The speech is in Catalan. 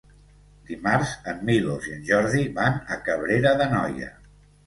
Dimarts en Milos i en Jordi van a Cabrera d'Anoia.